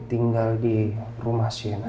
tinggal di rumah siana